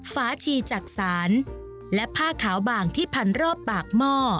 ฝาชีจักษานและผ้าขาวบางที่พันรอบปากหม้อ